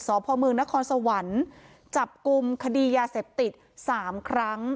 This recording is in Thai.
สพมนครสวรรค์จับกลุ่มคดียาเสพติด๓ครั้ง